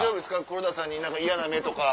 黒田さんに何か嫌な目とか。